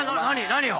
何を？